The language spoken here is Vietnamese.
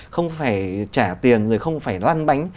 không phải trả tiền rồi không phải lăn bánh